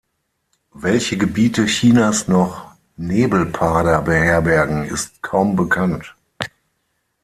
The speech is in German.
Welche Gebiete Chinas noch Nebelparder beherbergen, ist kaum bekannt.